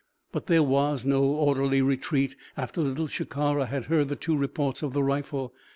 But there was no orderly retreat after Little Shikara had heard the two reports of the rifle.